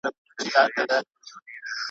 د تیارو د شیطان غرونه یو په بل پسي ړنګېږي ,